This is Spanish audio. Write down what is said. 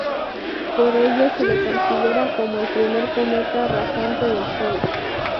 Por ello se le considera como el primer cometa rasante del sol.